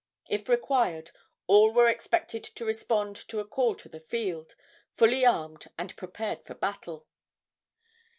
If required, all were expected to respond to a call to the field, fully armed and prepared for battle.